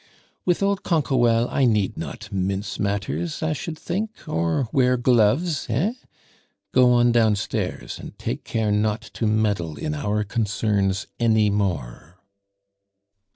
"With old Canquoelle I need not mince matters, I should think, or wear gloves, heh? Go on downstairs, and take care not to meddle in our concerns any more."